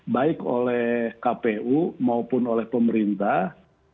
baik oleh kpu maupun oleh pemerintah